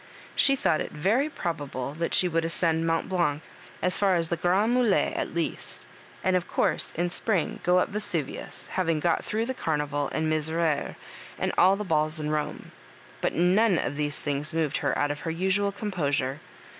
She thought it very probable that she would> ascend Mont Blanc as far as the Grands Mulcts at least, and, of course, in spring, go up Vesuvius, having got through the Oarnival and Miserere and all the balls in Rome ; but none of these things moved her out of her usual com posure.